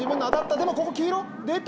でも、ここ黄色、出た？